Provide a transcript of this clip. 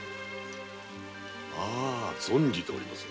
あ存じております。